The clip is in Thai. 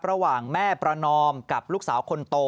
ระหว่างแม่ประนอมกับลูกสาวคนโต